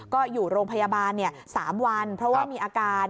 ก็อยู่โรงพยาบาล๓วันเพราะว่ามีอาการ